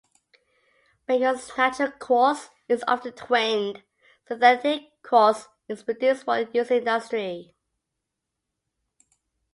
Because natural quartz is often twinned, synthetic quartz is produced for use in industry.